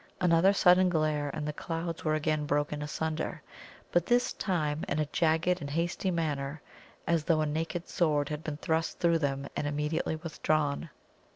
Another sudden glare, and the clouds were again broken asunder; but this time in a jagged and hasty manner, as though a naked sword had been thrust through them and immediately withdrawn.